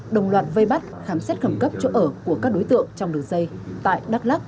đồng loạt vây bắt khám xét khẩn cấp chỗ ở của các đối tượng trong đường dây tại đắk lắc